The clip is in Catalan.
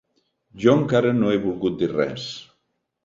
Jo encara no n'he volgut dir res.